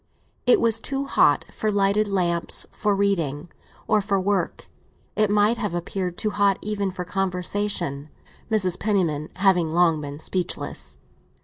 It was too hot for lighted lamps, for reading, or for work; it might have appeared too hot even for conversation, Mrs. Penniman having long been speechless.